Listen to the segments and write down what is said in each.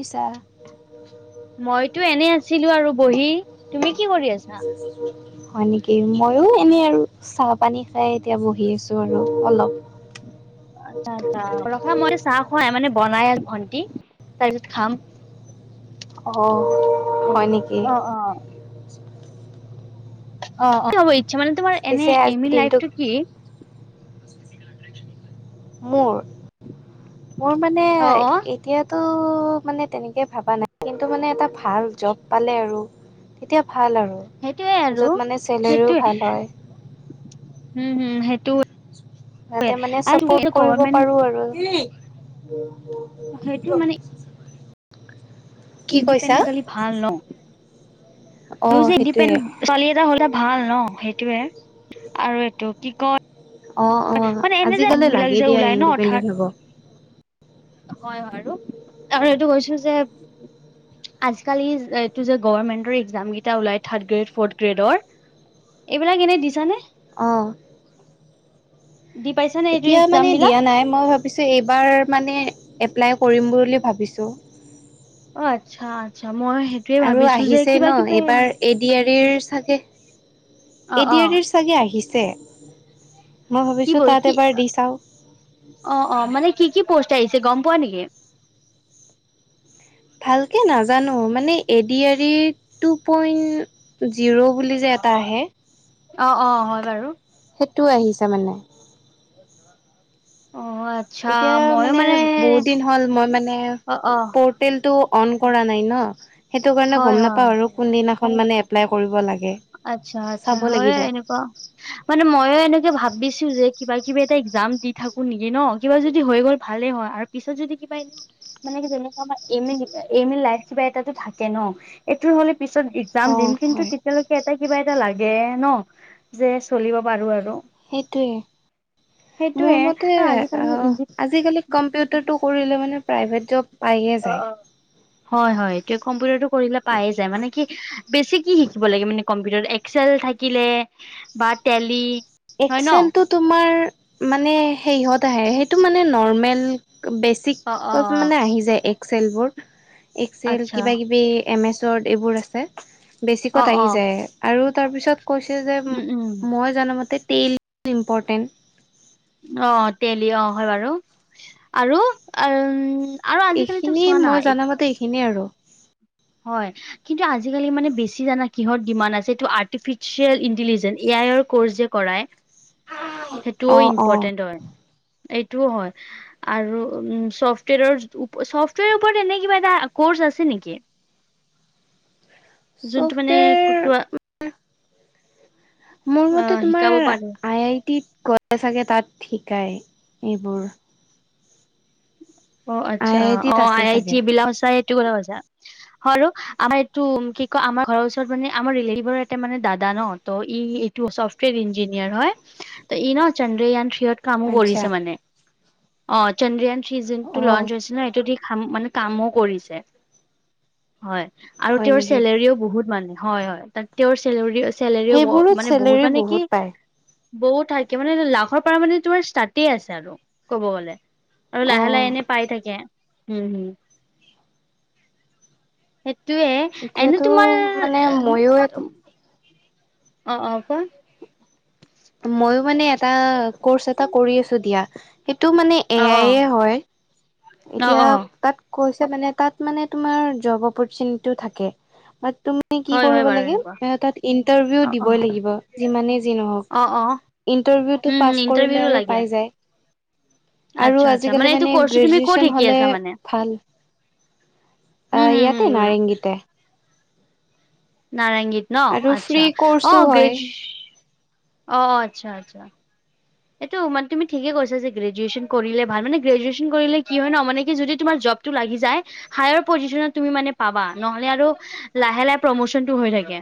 ৰিছা [inaudible] মইতো এনে আছিলোঁ আৰু বহি। তুমি কি কৰি আছা? হয় নেকি? মইও এনেই আৰু, চাহ - পানী খাই এতিয়া বহি আছোঁ আৰু অলপ। আচ্ছা - আচ্ছা, ৰখা মই চাহ খুৱাই মানে বনাই ভন্টি, তাৰপিছত খাম। অ উম, হয় নেকি অ' - অ'। অ'- কি হব ইচ্ছা, মানে তোমাৰ এনে পিছে এইম আজিৰ ইন দিনটো লাইফটো কি? মোৰ? মোৰ মানে অ অ এ তিয়াতো মানে তেনেকে ভাবা নাই। কিন্তু মানে এটা ভাল জব পালে আৰু তেতিয়া ভাল আৰু। সেইটোয়ে আৰু জত মানে ছেলেৰীও ভাল হয়। হুম - হুম সেইটো যাতে মানে আৰু চাপৰ্ট কৰিব গভমেন্ট পাৰোঁ আৰু। সেইটো কি কৈছা ইণ্ডিপেণ্ডেট হলি ভাল ন'। অ আৰু যে ইণ্ডিপেন সেইটোৱে ছোৱালী এটা হ'লে ভাল ন'। সেইটোৱে। আৰু এইটো কি কয় অ' - অ', মানে এনে যে আজিকালি বিলাক লাগে যে দিয়া ওলাই ন অৰ্থাৎ ইণ্ডিপেণ্ডেণ্ট হব। হয় - হয় আৰু? আৰু এইটো কৈছোঁ যে আজিকালি এইটো যে গভৰ্মেন্টৰ একজামগিটা ওলায় থাৰ্ড গ্ৰেড, ফৰ্থ গ্ৰেডৰ এইবিলাক এনে দিছানে? অ'। দি পাইছা নে এইটো এতিয়া এক্সাম মানে বিলাক দিয়া নাই। মই ভাবিছোঁ এইবাৰ মানে এপ্লাই কৰিম বুলি ভাবিছোঁ। অ' আচ্ছা - আচ্ছা। মই সে আৰু আহিছে ন' এইবাৰ এ ডি আৰ ইৰ চাগে- অ এ অ ডি আৰ ইৰ চাগে আহিছে। মই কি ভাবিছো বল তাত কি- এবাৰ দি চাও অ' - অ', মানে কি - কি পোষ্ট আহিছে গম পোৱা নেকি? ভালকে নাজানো মানে এ ডি আৰ ইৰ টু পইণ্ট জিৰ বুলি যে এটা আহে। অ', অ', হয় বাৰু। সেইটোও আহিছে মানে। অ', আচ্ছা এতিয়া ময়ো মানে বহুত দিন হ'ল মই মানে অ অ পৰ্ট তেলটো অন কৰা নাই ন, সেইটো কাৰণে হয় গম হয় নাপাও আৰু। কোনদিনাখন মানে এপ্লাই কৰিব লাগে। আচ্ছা-আচ্ছা হয় এনেকোৱা। উম, [inaudible] মানে ময়ো এনেকৈ ভাবিছো যে কিবা-কিবি এটা এক্সাম দি থাকো নেকি ন, কিবা যদি হৈ গ'ল ভালেই হয় আৰু পিছত যদি কি পাই ন? মানে কি যেনেকুৱা আমাৰ এম মিন কিবা এম মিল লাইফ কিবা এটাটো থাকে ন, এইটো হ'লে পিছত অ এক্সাম দিম কিন্তু হয়। তেতিয়ালৈ এটা কিবা এটা লাগে ন, যে চলিব পাৰো আৰু। সেইটোৱে মোৰ সেইটোয়ে মতে আৰু আজিকালি আ ইংগিত আজিকালি কম্পিউটাৰটো কৰিলে মানে প্ৰাইভেট জব পায়ে অ', যায়। অ', হয় হয় এ কম্পিউটাৰটো কৰিলে পায়ে যায় মানে কি বেছি কি শিকিব লাগে মানে কম্পিউটাৰত এক্সেল থাকিলে বা টেলি হয় ন এক্সেলটো তোমাৰ মানে সেইহত আহে, সেইটো মানে নৰ্মেল বেছ অ অ অ তিকত মানে আহি যায় এক্সেলবোৰ, এক্সেল আচ্ছা কিবা-কিবি এম এছ ৱৰ্ড এইবোৰ আছে। অ বেছিকত অ আহি যায় আৰু তাৰপিছত কৈছে যে, উম উম মই জান মতে টেলি ইম্পৰ্টেণ্ট। অ, টেলি অ, হয় বাৰু আৰু অ, আৰু আজিকালিটো চোৱা না বতে এইখিনিয়ে আৰু। হয়। কিন্তু আজিকালি মানে বেছি জানা কিহত ডিমাণ্ড আছে? এইটো আৰ্টিফিচিয়েল ইণ্টেলিজেঞ্চ এ আইৰ আৰু কোৰ্চ যে কৰাই সেইটোও অ', অ'। ইম্পৰ্টেণ্ট হয়, এইটোও হয়। আৰু উম, ছফ্টৱেৰৰ ওপ ছফ্টৱেৰৰ ওপৰত এনে কিবা এটা কৰ্চ আছে নেকি? যোনটো মানে কিবা ছফ্টৱেৰ মোৰ অ মতে, তোমাৰ শিকাব পাৰে আই-আই টিত গ'লে চাগে তাত শিকায় এইবোৰ। অ, আই আচ্ছা আই টিত অঁ, আছে আই-আই টি চাগে। বিলাহুঁচাই সেইটো কথা কৈছা? হয় ৰু আমাৰ এইটো কি ক'আমাৰ ঘৰৰ ওচৰত মানে, আমাৰ ৰিলেটিভৰে এটা মানে দাদা ন। ত' ই এইটো ছফ্টৱেৰ ইঞ্জিনিয়াৰ হয়। ত ই ন চন্দ্ৰয়ান থ্ৰীয়ত কামো আচ্ছা। কৰিছে মানে। অ, চন্দ্ৰিয়ান থ্ৰী যোনটো অ' লঞ্চ হৈছে ন' এইটোত সি খাম মানে কামো কৰিছে হয়। আৰু হয় তেওঁৰ নেকি? চেলেৰীও বহুত মানে। হয়-হয় তাত তেওঁৰ চেলেৰীও আছ চেলেৰীও ব' সেইবোৰত মানে বহুত চেলেৰি মানে কি পায়। বহুত থাকে, মানে লাখৰ পৰা মানে তোমাৰ ষ্টাৰ্টে আছে আৰু ক'ব গ'লে। আৰু লাহে-লাহে এনে অ' পাই থাকে। হুঁম, সেইটোৱে এনে এতিয়াতো তোমাৰ মানে মইয়ো এটা অ', অ', কোৱা? মইও মানে এটা কৰ্চ এটা কৰি আছো দিয়া। সেইটো মানে এ অ আই অ য়ে হয়। অ', এতিয়া অ', তাত কৈছে মানে তাত মানে তোমাৰ জবৰ কৰ্চিংটো থাকে। মানে তুমি কি হয়, হয় কৰিব বাৰু লাগে? এনেকুৱা তাত ইণ্টাৰভিউ অ', দিবই অ', লাগিব। যিমানে যি নহওক। অ', অ', ইণ্টাৰভিউটো উম, পাছ ইণ্টাৰভিউ কৰিলে আৰু লাগে। পাই যায়। আৰু আচ্ছা, আচ্ছা আজিকালি এইটো মানে কৰ্চটো তুমি ক'ত গ্ৰেজুৱেচন শিকি হ'লে আছা মানে? ভাল। আ হম, হম, ইয়াতে হম, নাৰিংগীতে। নাৰায়েংগীত ন? আৰু ফ্ৰী আচ্ছা অ, কৰ্চো হয়। গ্ৰেজ অ, আচ্ছা-আচ্ছা। এইটো মানে তুমি ঠিকে কৈছা যে গ্ৰেজুৱেশ্যন কৰিলে ভাল। মানে গ্ৰেজুৱেশ্যন কৰিলে কি হয় ন? মানে কি যদি তোমাৰ জব টো লাগি যায়, হায়াৰ পজিশ্যনত তুমি মানে পাবা নহ'লে আৰু লাহে-লাহে প্ৰমোচনটো হৈ থাকে।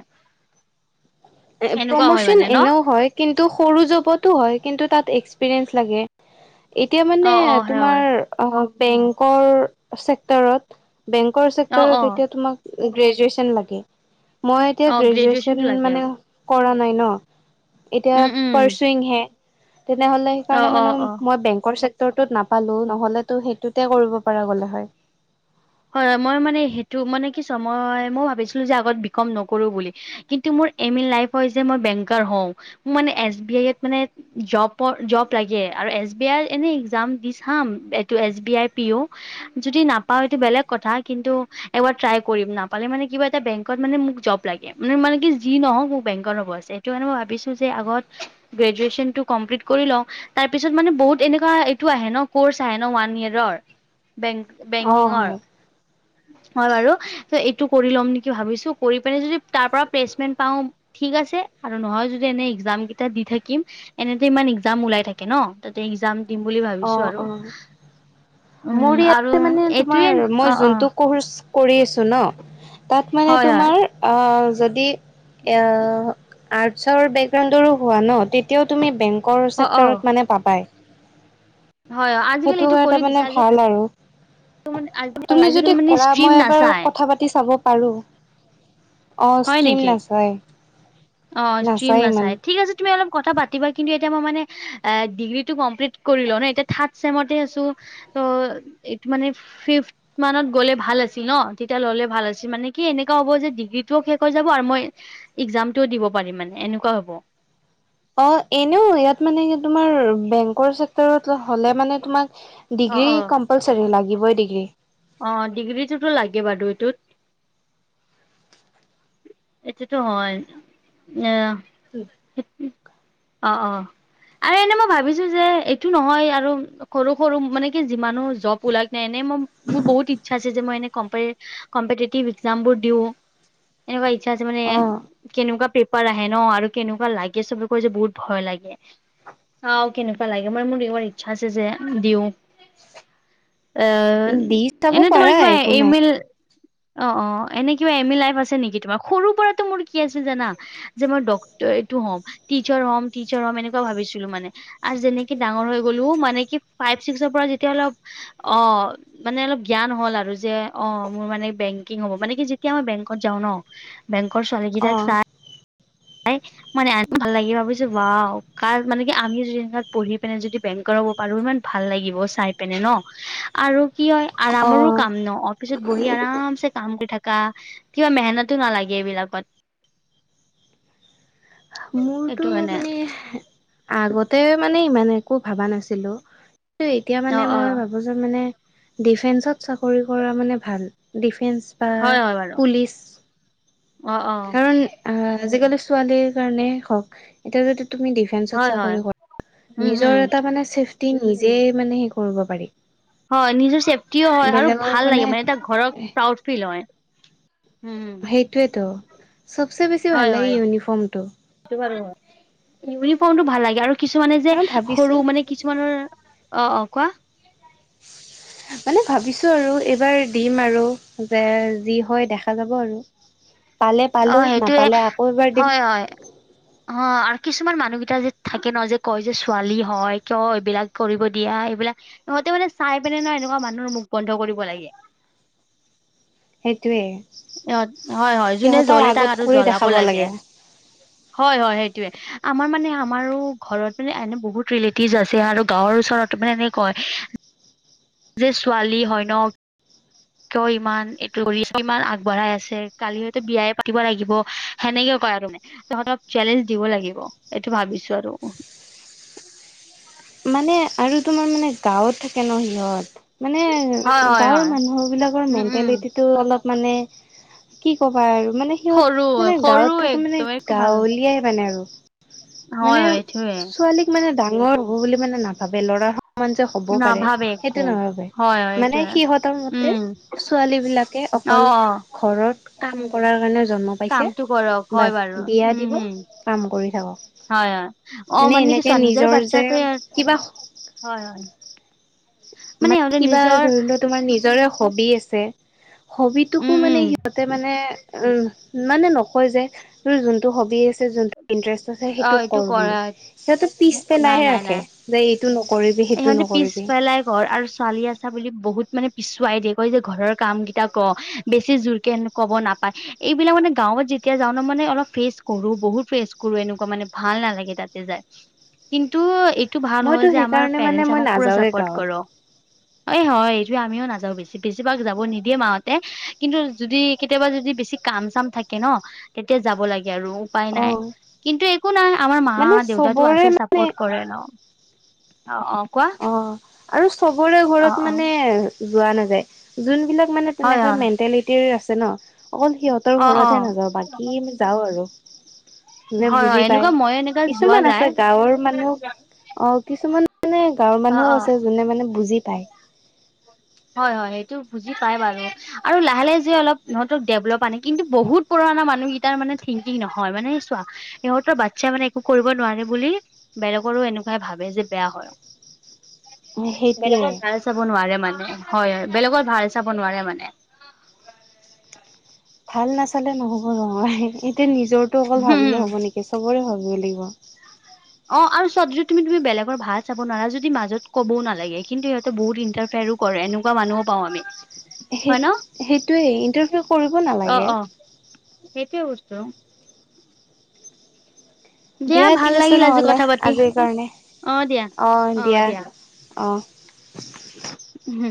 এ এনেকুৱা হয় প্ৰমোশ্যন মানে ন এনেও হয়। কিন্তু সৰু জববটো হয় কিন্তু তাত এক্সপিৰিয়েঞ্চ লাগে। এতিয়া মানে অ', অ', হয়, তোমাৰ আ বেংকৰ চেক্টৰত। বেঙ্কৰ অ', চেক্টৰত অ', এতিয়া তোমাক উম, গেজুৱেশ্যন লাগে। মই এতিয়া অ', গ্ৰেজুৱেচনটো গ্ৰেজুৱেচন লাগে মানে কৰা নাই ন, উম, এতিয়া উম, পাৰ্চংহে তেনেহলে অ', সেইকাৰণে অ', মানে অ'। মই বেংকৰ উত্তৰতো নাপালো নহ'লেতো সেইটোতে কৰিব পৰা গ'ল হয়। হয়-হয় মই মানে সেইটো মানে কি চ মই মই ভাবিছিলো যে আগত বিকম নকৰো বুলি। কিন্তু মোৰ এম ইন লাইফ হৈছে মই বেংকাৰ হও। মোৰ মানে এছ বি আইয়ত মানে জপৰ জব লাগে আৰু এছ বি আই এনে এক্সাম দি চাম। এইটো S B I P O যদি নাপাও এইটো বেলেগ কথা কিন্তু এবাৰ ট্ৰাই কৰিম। নাপালে মানে কিবা এটা বেংকত মানে মোক জব লাগে। মোৰ মানে কি যি নহওক মোক বেংকাৰ হ'ব আছে। সেইটো কাৰণে মই ভাৱিছো যে আগত গ্ৰেজুৱেশ্যনটো কমপ্লিত কৰি লও। তাৰ পিছত মানে বহুত এনেকুৱা এইটো আহে ন? ক'ৰ্চ আহে ন ওৱান ইয়েৰৰ? বেংক বে অঁ কিহৰ? হয়। হয় বাৰু ত এইটো কৰি ল'ম নেকি ভাৱিছো, কৰি পেলাই যদি তাৰ পৰা প্লেচমেণ্ট পাও। ঠিক আছে আৰু নহয় যদি এনেই এক্সাম কেগিটা দি থাকিম, এনেতে ইমান এক্সাম ওলাই থাকে ন? তাতে এক্জাম দিম বুলি ভাবিছো অ', আৰু, অ', উম মোৰ আৰু ইয়াতে মানে এইটোয়ে তোমাৰ অ মই অ যোন কৰ্চ কৰি আছো ন, তাত মানে হয় হয় তোমাৰ অ, যদি এ আৰ্টচৰ বেকগ্ৰাউৰো হোৱা ন তেতিয়াও তুমি বেংক কৰ অ অ চেক্টৰত মানে পাবাই। হয় আজিকালি সেইটো এইটো কাৰ কৰি তাৰ দিছে মানে আজি ভাল আৰু। মানে তুমি আজিকালি যদি মানে কৰা ষ্ট্ৰীম মই এবাৰ নাচায় কথা পাতি চাব পাৰো। অৱ হয় ষ্ট্ৰীম নেকি অ ষ্ট্ৰীম নাচায়-নাচায় ইমান। নাচাই ঠিক আছে তুমি অলপ কথা পাতিবা, কিন্তু এতি মই মানে ডিগ্ৰীটো কমপ্লিট কৰি লও ন এতিয়া থাৰ্ড চেম আছো। ত এইটো মানে ফিপ মানত গ'লে ভাল আছিল ন, তেতিয়া ললে ভাল আছিল মানে কি এনেুৱা হ'ব যে ডিগ্ৰী শেষ হৈ যাব আৰু মই এক্সামটোও দিব পাৰিম মানে এনেকুৱা হ'ব। অৱ এনেও ইয়াত মানে তোমাৰ বেংকৰ চেক্টৰত হ'লে মানে তোমাক অ ডিগ্ৰী কম্পালচৰী, লাগিবই ডিগ্ৰী। অৱ ডিগ্ৰী টোতো লাগে বাৰু এইটোত। এটোতো হয়, এ উম, অ', অ', আৰু এনে মই ভাবিছো যে এইটো নহয় আৰু সৰু-সৰু মানে কি যিমানো জব ওলাক নাই এনে মই মোৰ বহুত ইচ্ছা আছে যে মই এনে কমপ কম্পেতেটিব একজাম বোৰ দিও, এনেকুৱা ইচ্ছা আছে মানে। অ কেনেকুৱা পেপাৰ আহে ন, আৰু কেনেকুৱা লাগে চবে কৈ যে বহুত ভয় লাগে। চাও কেনেকুৱা লাগে, মানে মোৰ এইবাৰ ইচ্ছা আছে যে দিও। এ দি চাব এনে পাৰা তোমাৰ কিবা একো নাই ইমেইল অ', অ', এনে কিবা এম ই লাইফ আছে নেকি তোমাৰ সৰুৰ পৰাতো মোৰ কি আছে জানা? যে মই ডক্টৰ এইটো হ'ম টিচাৰ-হম টিচাৰ হম এনেকুৱা ভাবিছিলো মানে। আৰু যেনেকে ডাঙৰ হৈ গ'লো মানে কি ফাইভ, ছিক্সৰ পৰা যেতিয়া অলপ অ, মানে অলপ জ্ঞান হ'ল আৰু যে অ, মোৰ মানে বেংকিং হ'ব মানে কি যেতিয়া মই বেংকত যাও ন' বেংকৰ অ ছোৱালীকেইটাক চাই মানে আ, ভাল লাগিব ভাবিছো ওৱাও কাৰ মানে কি আমিওঁ যদি এনকা পঢ়ি পেনে যদি বেংকাৰ হ'ব পাৰো ইমান ভাল লাগিব চাই পিনে ন' আৰু কি হয় অ আৰামৰো কাম ন' পিছত বহি আৰামছে কাম কৰি থকা কিবা মেহনতো নালাগে এইবিলাকত। মোৰতো সেইটো কাৰণে মানে আগতে মানে ইমান একো ভাবা নাছিলোঁ। এ এতিয়া অ মানে অ মই ভাবো যে যে মানে ডিফেন্সত চাকৰি কৰা মানে ভাল ডিফেন্স বা হয়-হয় বাৰু অ', অ', কিছুমান আহ আজি কালি ছোৱালীৰ কাৰণে হওক এতিয়া যদি তুমি দডিফেন্সত হয় হয় চাকৰি কৰে উম হম নিজৰ এটা মানে চেফটি নিজে মানে সে কৰিব পাৰি। হয় নিজৰ চেফটিও হয় আৰু ভাল লাগে মানে এটা ঘৰক প্ৰাউড ফিল হয় উম, সেইটোৱেতো চবচে বেছি ভাল হয় লাগে হয় ইউনিফৰ্মটো। [unintelligible] ইউনিফৰ্মটো ভাল লাগে আৰু কিছুমানে যে আৰু ভাবিছো সৰু মানে কিছুমানৰ অ', অ', কোৱা? [unintelligible] মানে ভাবিছো আৰু এইবাৰ দিম আৰু যে যি হয় দেখা যাব আৰু। পালে অ পালোঁ সেইটোয়ে নাপালে আকৌ এবাৰ দিম। হ আৰু কিছুমান মানুহকেইটা যে থাকে ন' যে কয় যে ছোৱালী হয় কিয় এইবিলাক কৰিব দিয়া সেইবিলাক ইহঁতে মানে চাই পেনে নহয় এনেকুৱা মানুহৰ মুখ বন্ধ কৰিব লাগে। সেইটোৱে। [unintelligible] হয় -হয় যোনে জ্বলে তাক আৰু কৰি জ্বলাব দেখাব লাগে। হয়- হয় সেইটোৱে আমাৰ মানে আমাৰো ঘৰত মানে এনে বহুত ৰিলেটিভ আছে আৰু গাঁৱৰ ওচৰত টোমে এনে কয় যে ছোৱালী হয় ন' কিয় ইমান এইটো [unintelligible] ইমান আগ আগবঢ়াই আছে কালি হয়তো বিয়াই পাতিব লাগিব সেনেকে কয় আৰু মানে। তহঁতক চেলেঞ্জ দিব লাগিব এইটো ভাবিছোঁ আৰু। মানে আৰু তোমাৰ মানে গাঁৱত থাকে ন' সিহঁত মানে হয় হয় গাঁৱৰ হয় মানুহ বিলাকৰ উম উম মেন্টেলিটি টো অলপ মানে কি ক'বা আৰু মানে সৰু সিহঁত মানে সৰু গাঁৱত থাকো মানে একদম একো ভাবে গাঁৱলিয়াই মানে আৰু। হয় মানে হয় এইটোয়ে ছোৱালীক মানে ডাঙৰ হ'ব বুলি মানে নাভাবে ল'ৰা সমান যে হ'ব পাৰে নাভাবে একো সেইটো নাভাবে হয় হয় মানে এইটোয়ে সিহঁতৰ মতে উম ছোৱালী বিলাকে অ অকল ঘৰত কাম কৰাৰ কাৰণে জন্ম পাইছে কামটো কৰক হয় বাছ বাৰু বিয়া দিব কাম কৰি থাকক। হয়-হয় অ, মানে কি চোৱা নিজৰে বাচ্ছাক [unintelligible] কিবা হয়-হয় মানে ইহঁতে কিবা নিজৰ ধৰি লোৱা তোমাৰ নিজৰে হবি আছে হবিটোকো উম উম মানে সিহঁতে মানে উম, মানে নকয় যে তোৰ যোনটো হবি আছে যোনটো ইণ্টাৰেষ্ট আছে অ সেইটো এইটো কৰ কৰা বুলি সিহঁতে পিচ নাই পেলাইহে নাই নাই ৰাখে। যে এইটো নকৰিবি, সেইটো নকৰিবি। এ [unintelligible] ঘৰ আৰু ছোৱালী আছে আছা বুলি বহুত মানে পিছুৱাই দিয়ে কয় যে ঘৰৰ কাম কেইটা ক'বেছি জোৰকে কব নাপায়। এইবিলাক মানে গাঁৱত যেতিয়া যাওঁ ন' মানে অলপ ফেচ কৰো বহুত ফেচ কৰো এনেকুৱা মানে ভাল নালাগে তাতে যাই। কিন্তু এইটো ভাল হ'ল মইতো যে আমাৰ সেইকাৰণে মানে পেৰেণ্টচে মই আমাক পুৰা নাযাওৱে চাপৰ্ট গাঁৱত কৰ এ হয় এইটোৱে আমিও নাযাওঁ বেছি বেছিভাগ যাব নিদিয়ে মাঁহতে কিন্তু যদি কেতিয়াবা যদি বেছি কাম চাম থাকে ন'তেতিয়া যাব লাগে। আৰু উপায় অ নাই। কিন্তু একো নাই, আমাৰ মা মানে দেউতাটো চবৰে আছে মানে চাপৰ্ট কৰে ন'। অ অ কোৱা অ' আৰু চবৰে অ ঘৰত অ মানে যোৱা নাযায়। যোনবিলাক মানে হয় তেনেকা হয় মেণ্টেলিটিৰ আছে ন', অকল সিহঁতৰ অ অ ঘৰত হে নাযাওঁ। বাকী যাওঁ আৰু, যোনে হয় হয় বুজি পায়। এনেকুৱা মইয়ো এনেকা যোৱা কিছুমান যায় আছে গাঁৱৰ মানুহ অ' কিছুমান মানে গাঁৱৰ অ মানুহো অ আছে, যোনে মানে বুজি পায়। হয় - হয়, সেইটো বুজি পায় বাৰু। আৰু লাহে - লাহে যে অলপ ইহঁতক ডেভলপ আনে, কিন্তু বহুত পুৰণা মানুহকেইটাৰ মানে থিংকিং নহয়। মানে চোৱা সিহঁতৰ বাচ্ছাই মানে একো কৰিব নোৱাৰে বুলি, বেলেগৰো এনেকুৱাই ভাবে যে বেয়া হয়। সেইটোয়ে বেলেগৰ ভাল চাব নোৱাৰে মানে। হয় - হয়, বেলেগৰ ভাল চাব নোৱাৰে মানে। ভাল নাচালে নহব নহয়। এতিয়া নিজৰটো অকল হম ভাবিলে হব নেকি? চবৰে ভাবিব লাগিব। অ' আৰু চোৱা, যদি তুমি - তুমি বেলেগৰ ভাল চাব নোৱাৰা, ‌যদি মাজত ক'বও নালাগে। কিন্তু সিহঁতে বহুত ইন্টাৰ ফেৰো কৰে। এনেকুৱা মানুহো পাওঁ আমি। সে- হয় ন সেইটোৱেই ইণ্টাৰফেৰ কৰিব অ নালাগে। অ সেইটোৱে বস্তু। দিয়া, ভাল ঠিক আছে লাগিল আজি নহ'লে, কথা পাতি আজিৰ কাৰণে। অ দিয়া অ' দিয়া। অ'। উম।